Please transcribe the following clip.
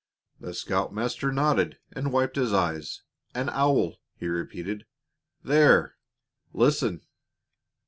The scoutmaster nodded and wiped his eyes. "An owl," he repeated. "There! Listen!"